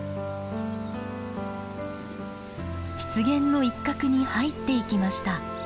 湿原の一角に入っていきました。